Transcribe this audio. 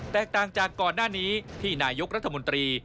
แตกต่างจากก่อนหน้านี้ที่นายกรัฐมนตรี